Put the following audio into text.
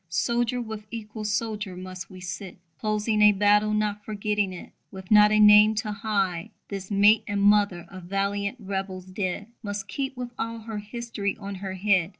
Soldier with equal soldier must we sit, Closing a battle, not forgetting it. With not a name to hide, This mate and mother of valiant "rebels" dead Must come with all her history on her head.